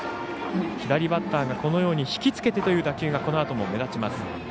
左バッターが引きつけてというような打球がこのあとも目立ちます。